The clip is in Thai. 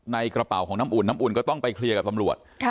ในกระเป๋าของน้ำอุ่นน้ำอุ่นก็ต้องไปเคลียร์กับตำรวจ